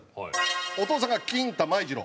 お父さんが金太舞次朗。